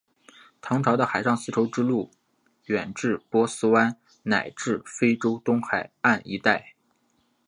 唐朝的海上丝绸之路远至波斯湾乃至非洲东海岸一带。